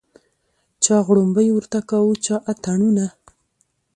چا غړومبی ورته کاوه چا اتڼونه